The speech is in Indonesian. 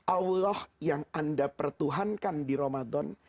allah yang anda pertuhankan di ramadan